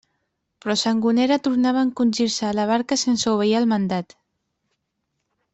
Però Sangonera tornava a encongir-se a la barca sense obeir el mandat.